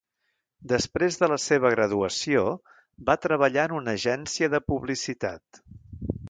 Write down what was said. Després de la seva graduació, va treballar en una agència de publicitat.